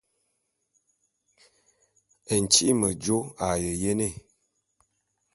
Ntyi'i mejô a ye jene.